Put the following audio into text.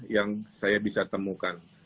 yang saya bisa temukan